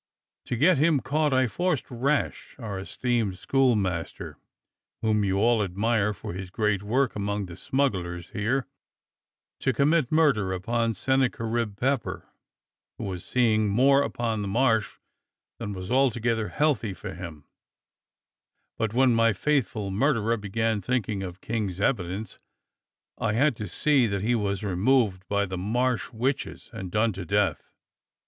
To get him caught I forced Rash, our esteemed schoolmaster, whom you all admire for his great work among the smugglers here, to commit murder upon Sennacherib Pepper, who was seeing more upon the Marsh than was altogether healthy for him; but when my faithful murderer began thinking of King's evi dence, I had to see that he was removed by the Marsh witches and done to death.